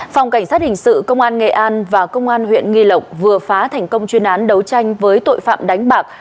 phòng cảnh sát hình sự công an nghệ an và công an huyện nghi lộc vừa phá thành công chuyên án đấu tranh với tội phạm đánh bạc